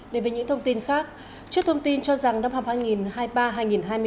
để về những thông tin khác trước thông tin cho rằng năm hai nghìn hai mươi ba hai nghìn hai mươi bốn